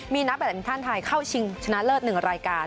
มีนักแบตมินท่านไทยเข้าชิงชนะเลิศ๑รายการ